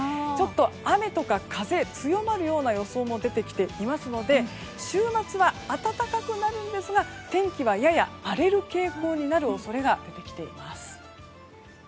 ちょっと雨とか風が強まる予想も出ていますので週末は暖かくなるんですが天気はやや荒れる傾向になる恐れが出てきています。